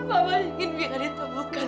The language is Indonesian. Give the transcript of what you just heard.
mama ingin mira ditemukan